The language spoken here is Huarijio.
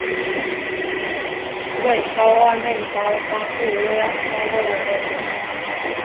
Weikaóba neipáopa kuué ahpó wewerépu.